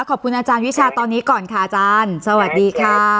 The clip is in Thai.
ขอบคุณอาจารย์วิชาตอนนี้ก่อนค่ะอาจารย์สวัสดีค่ะ